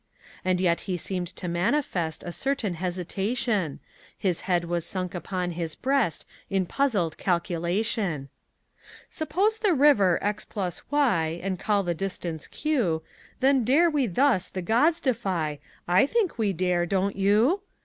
And yet he seemed to manifest A certain hesitation; His head was sunk upon his breast In puzzled calculation. "Suppose the river X + Y And call the distance Q Then dare we thus the gods defy I think we dare, don't you?